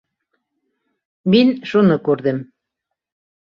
Мин... шуны күрҙем...